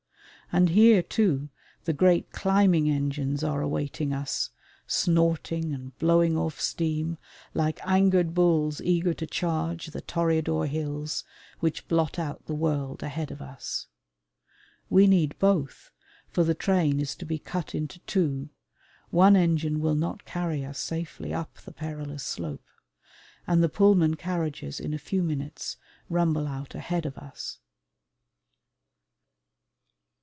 And here, too, the great climbing engines are awaiting us, snorting and blowing off steam like angered bulls eager to charge the toreador hills which blot out the world ahead of us. We need both, for the train is to be cut into two one engine will not carry us safely up the perilous slope and the Pullman carriages in a few minutes rumble out ahead of us.